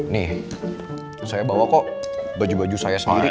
nih saya bawa kok baju baju saya sendiri